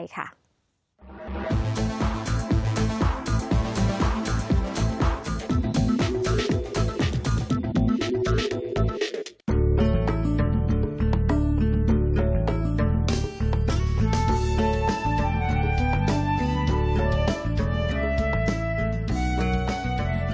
ทรินิเต้ภาพพิมลายของทรินิเต้